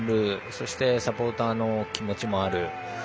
そしてサポーターの気持ちもある。